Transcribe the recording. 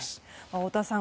太田さん